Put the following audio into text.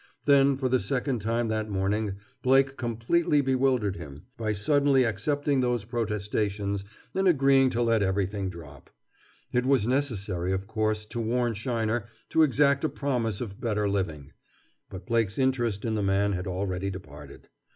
Then for the second time that morning Blake completely bewildered him, by suddenly accepting those protestations and agreeing to let everything drop. It was necessary, of course, to warn Sheiner, to exact a promise of better living. But Blake's interest in the man had already departed.